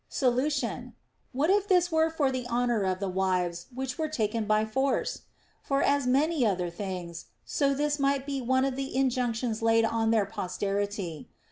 Solution. What if this were for the honor of the wives which were taken by force ? For as many other things, so this might be one of the injunctions laid on their posterity.